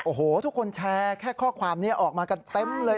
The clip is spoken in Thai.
โอ้โหทุกคนแชร์แค่ข้อความนี้ออกมากันเต็มเลย